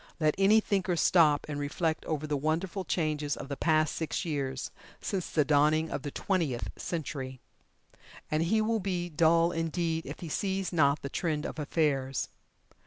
Let any thinker stop and reflect over the wonderful changes of the past six years since the dawning of the Twentieth Century, and he will be dull indeed if he sees not the trend of affairs.